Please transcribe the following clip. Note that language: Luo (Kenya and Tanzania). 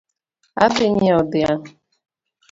Adhi nyieo dhiang'